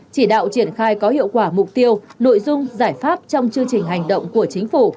chỉ đạo triển khai có hiệu quả mục tiêu nội dung giải pháp trong chương trình hành động của chính phủ